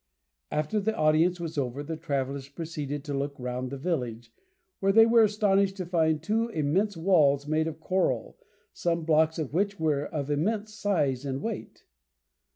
] After the audience was over the travellers proceeded to look round the village, where they were astonished to find two immense walls made of coral, some blocks of which were of immense size and weight.